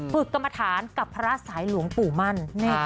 กรรมฐานกับพระสายหลวงปู่มั่น